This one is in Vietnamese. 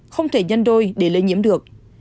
không thể nhân đôi để lây nhiễm được